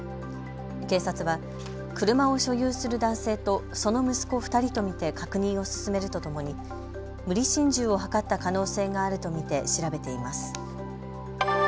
警察は車を所有する男性とその息子２人と見て確認を進めるとともに無理心中を図った可能性があると見て調べています。